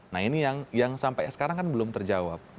nah ini yang sampai sekarang kan belum terjawab